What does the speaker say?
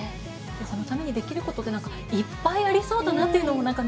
そのためにできることって何かいっぱいありそうだなっていうのも何かね